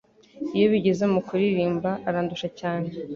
Iyo bigeze mukuririmba arandusha cyane.